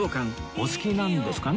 お好きなんですかね？